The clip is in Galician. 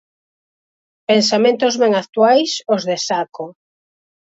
Pensamentos ben actuais os de Saco.